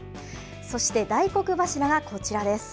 そして大黒柱がこちらです。